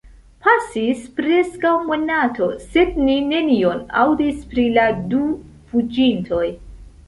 Pasis preskaŭ monato, sed ni nenion aŭdis pri la du fuĝintoj.